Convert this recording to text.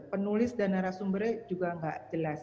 penulis dan narasumbernya juga nggak jelas